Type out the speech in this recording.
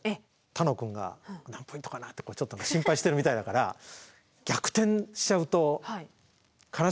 楽くんが何ポイントかなってちょっと心配してるみたいだから逆転しちゃうと悲しむかなと思って。